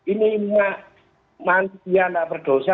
ini maksiat tak berdosa